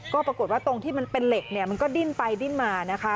ก็ปรากฏว่าตรงที่มันเป็นเหล็กเนี่ยมันก็ดิ้นไปดิ้นมานะคะ